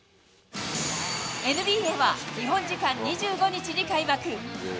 ＮＢＡは日本時間２５日に開幕。